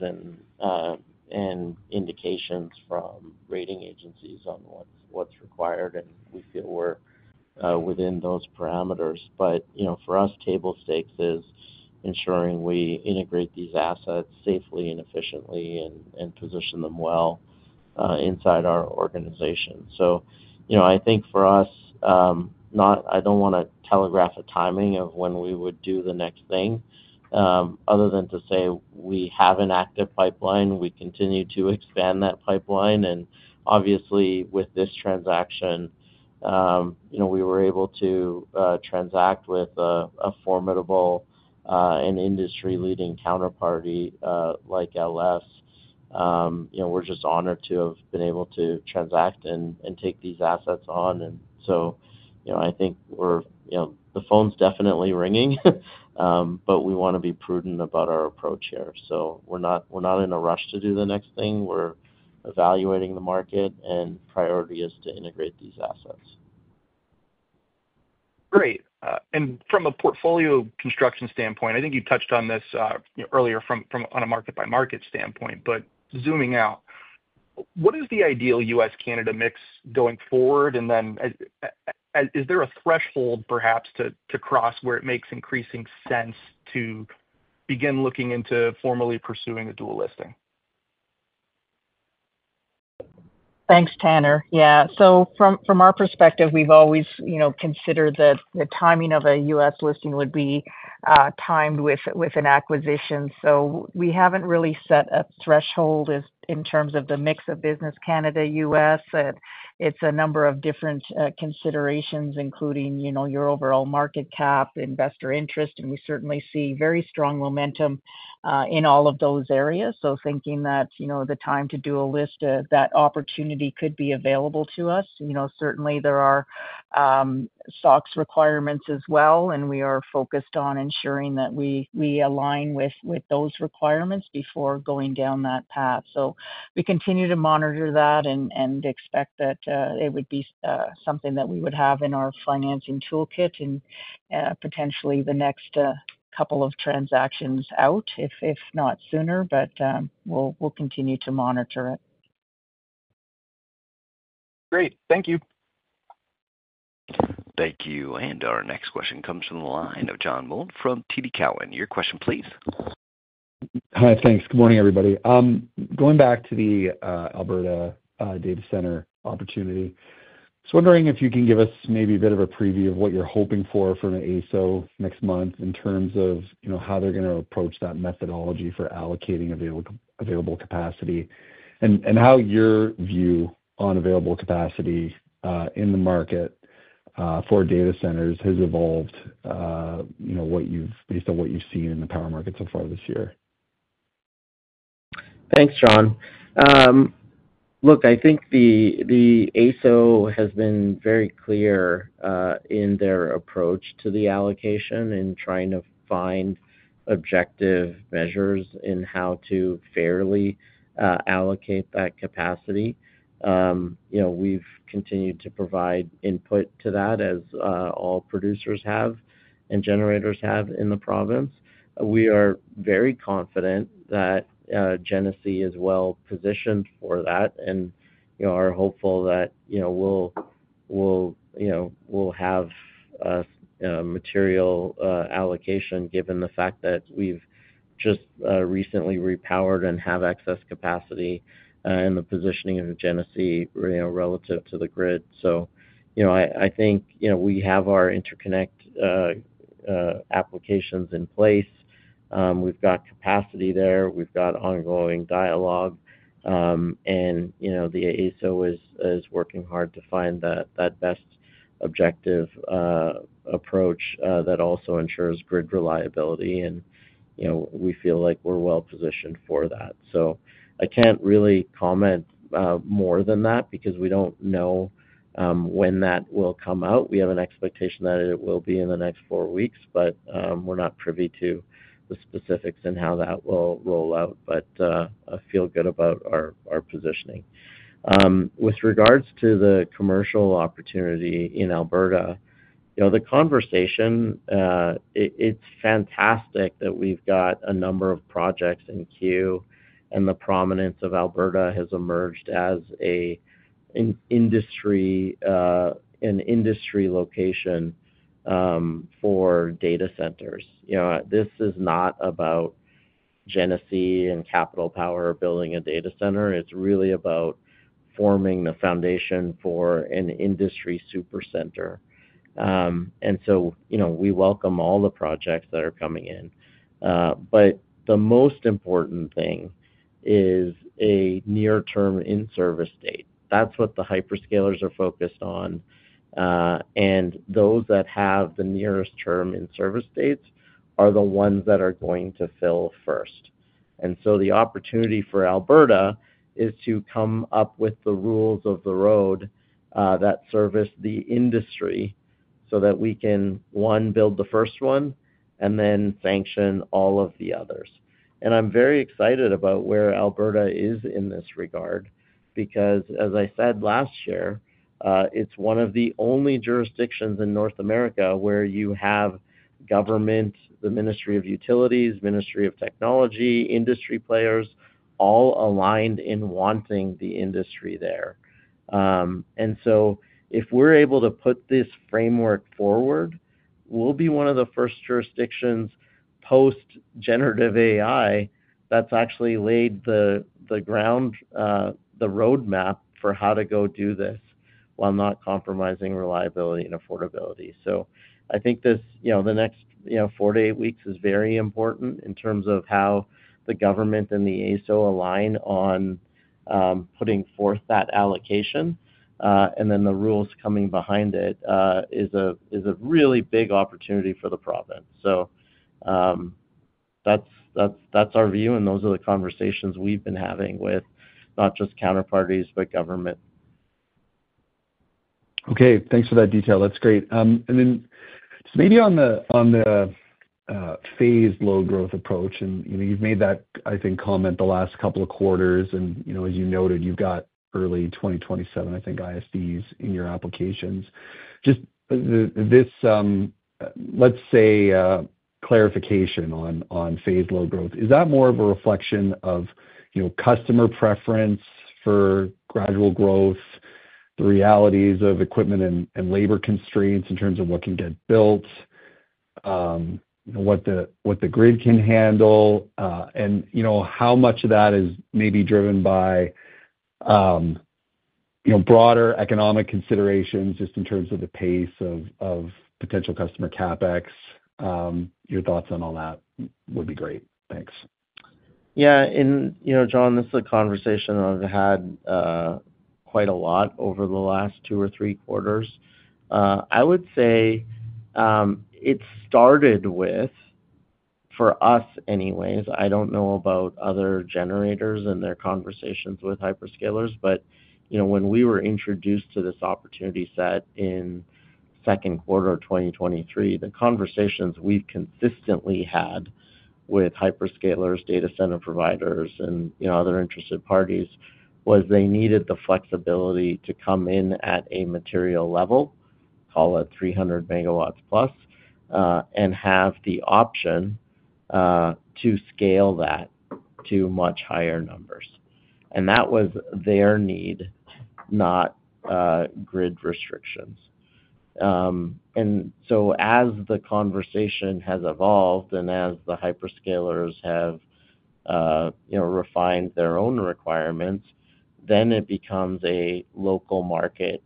and indications from rating agencies on what's required, and we feel we're within those parameters. For us, table stakes is ensuring we integrate these assets safely and efficiently and position them well inside our organization. You know, I think for us, I don't want to telegraph a timing of when we would do the next thing other than to say we have an active pipeline. We continue to expand that pipeline. Obviously, with this transaction, you know, we were able to transact with a formidable and industry-leading counterparty like LS. You know, we're just honored to have been able to transact and take these assets on. You know, I think we're, you know, the phone's definitely ringing, but we want to be prudent about our approach here. We're not in a rush to do the next thing. We're evaluating the market, and priority is to integrate these assets. Great. From a portfolio construction standpoint, I think you touched on this earlier from a market-by-market standpoint, but zooming out, what is the ideal U.S.-Canada mix going forward? Is there a threshold perhaps to cross where it makes increasing sense to begin looking into formally pursuing a dual listing? Thanks, Tanner. Yeah. From our perspective, we've always, you know, considered that the timing of a U.S. listing would be timed with an acquisition. We haven't really set a threshold in terms of the mix of business, Canada, U.S. It's a number of different considerations, including, you know, your overall market cap, investor interest. We certainly see very strong momentum in all of those areas. Thinking that, you know, the time to do a list, that opportunity could be available to us. You know, certainly there are stocks requirements as well, and we are focused on ensuring that we align with those requirements before going down that path. We continue to monitor that and expect that it would be something that we would have in our financing toolkit and potentially the next couple of transactions out, if not sooner, but we'll continue to monitor it. Great. Thank you. Thank you. Our next question comes from the line of John Mould from TD Cowen. Your question, please. Hi, thanks. Good morning, everybody. Going back to the Alberta data center opportunity, I was wondering if you can give us maybe a bit of a preview of what you're hoping for from AESO next month in terms of, you know, how they're going to approach that methodology for allocating available capacity and how your view on available capacity in the market for data centers has evolved, you know, based on what you've seen in the power market so far this year. Thanks, John. Look, I think the AESO has been very clear in their approach to the allocation in trying to find objective measures in how to fairly allocate that capacity. You know, we've continued to provide input to that as all producers have and generators have in the province. We are very confident that Genesee is well positioned for that and, you know, are hopeful that, you know, we'll have a material allocation given the fact that we've just recently repowered and have excess capacity in the positioning of Genesee, you know, relative to the grid. You know, I think, you know, we have our interconnect applications in place. We've got capacity there. We've got ongoing dialogue. You know, the AESO is working hard to find that best objective approach that also ensures grid reliability. You know, we feel like we're well positioned for that. I can't really comment more than that because we don't know when that will come out. We have an expectation that it will be in the next four weeks, but we're not privy to the specifics and how that will roll out. I feel good about our positioning. With regards to the commercial opportunity in Alberta, you know, the conversation, it's fantastic that we've got a number of projects in queue and the prominence of Alberta has emerged as an industry location for data centers. You know, this is not about Genesee and Capital Power building a data center. It's really about forming the foundation for an industry super center. You know, we welcome all the projects that are coming in. The most important thing is a near-term in-service date. That's what the hyperscalers are focused on. Those that have the nearest term in-service dates are the ones that are going to fill first. The opportunity for Alberta is to come up with the rules of the road that service the industry so that we can, one, build the first one and then sanction all of the others. I am very excited about where Alberta is in this regard because, as I said last year, it is one of the only jurisdictions in North America where you have government, the Ministry of Utilities, Ministry of Technology, industry players all aligned in wanting the industry there. If we are able to put this framework forward, we will be one of the first jurisdictions post-generative AI that has actually laid the ground, the roadmap for how to go do this while not compromising reliability and affordability. I think this, you know, the next, you know, four to eight weeks is very important in terms of how the government and the AESO align on putting forth that allocation. The rules coming behind it is a really big opportunity for the province. That's our view. Those are the conversations we've been having with not just counterparties, but government. Okay. Thanks for that detail. That's great. Just maybe on the phased low-growth approach, and you've made that, I think, comment the last couple of quarters. You know, as you noted, you've got early 2027, I think, ISDs in your applications. Just this, let's say, clarification on phased low growth, is that more of a reflection of, you know, customer preference for gradual growth, the realities of equipment and labor constraints in terms of what can get built, what the grid can handle, and, you know, how much of that is maybe driven by, you know, broader economic considerations just in terms of the pace of potential customer CapEx? Your thoughts on all that would be great. Thanks. Yeah. You know, John, this is a conversation I've had quite a lot over the last two or three quarters. I would say it started with, for us anyways, I do not know about other generators and their conversations with hyperscalers, but, you know, when we were introduced to this opportunity set in second quarter of 2023, the conversations we've consistently had with hyperscalers, data center providers, and, you know, other interested parties was they needed the flexibility to come in at a material level, call it 300+ MW, and have the option to scale that to much higher numbers. That was their need, not grid restrictions. As the conversation has evolved and as the hyperscalers have, you know, refined their own requirements, then it becomes a local market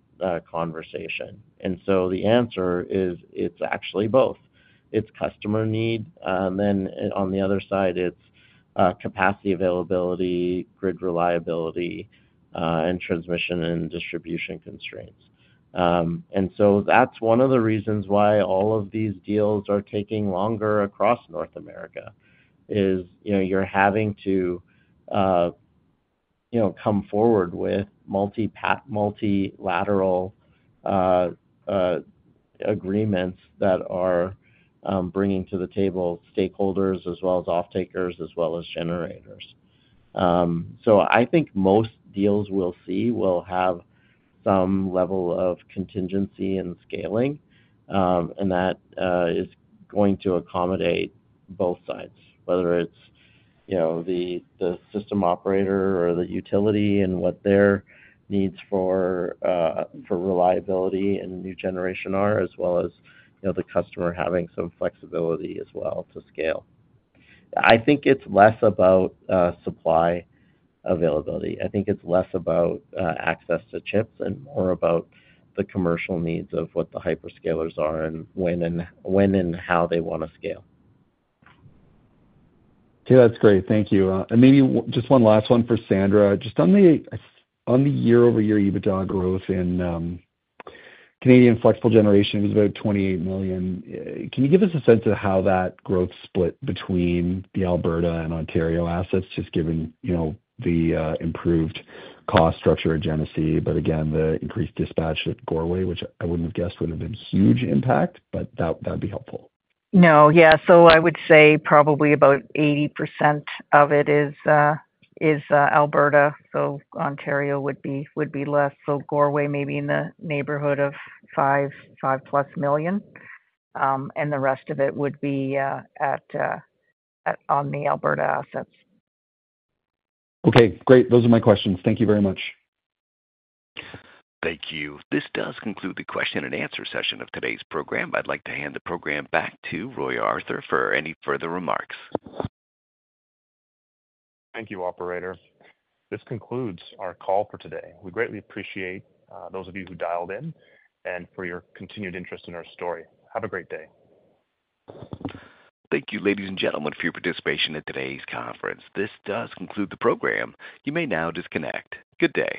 conversation. The answer is it's actually both. It's customer need. On the other side, it's capacity availability, grid reliability, and transmission and distribution constraints. That is one of the reasons why all of these deals are taking longer across North America is, you know, you're having to, you know, come forward with multilateral agreements that are bringing to the table stakeholders as well as off-takers as well as generators. I think most deals we'll see will have some level of contingency and scaling, and that is going to accommodate both sides, whether it's, you know, the system operator or the utility and what their needs for reliability and new generation are, as well as, you know, the customer having some flexibility as well to scale. I think it's less about supply availability. I think it's less about access to chips and more about the commercial needs of what the hyperscalers are and when and how they want to scale. Yeah, that's great. Thank you. Maybe just one last one for Sandra. Just on the year-over-year EBITDA growth in Canadian flexible generation, it was about 28 million. Can you give us a sense of how that growth split between the Alberta and Ontario assets, just given, you know, the improved cost structure at Genesee, but again, the increased dispatch at Goreway, which I wouldn't have guessed would have been a huge impact, but that'd be helpful? No. Yeah. I would say probably about 80% of it is Alberta. Ontario would be less. Goreway may be in the neighborhood of 5+ million. The rest of it would be on the Alberta assets. Okay. Great. Those are my questions. Thank you very much. Thank you. This does conclude the question and answer session of today's program. I'd like to hand the program back to Roy Arthur for any further remarks. Thank you, Operator. This concludes our call for today. We greatly appreciate those of you who dialed in and for your continued interest in our story. Have a great day. Thank you, ladies and gentlemen, for your participation in today's conference. This does conclude the program. You may now disconnect. Good day.